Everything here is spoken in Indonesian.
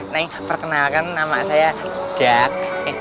nah perkenalkan nama saya dak